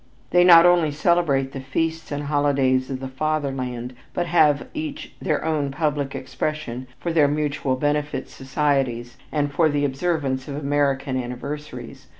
They not only celebrate the feasts and holidays of the fatherland, but have each their own public expression for their mutual benefit societies and for the observance of American anniversaries.